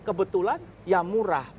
kebetulan yang murah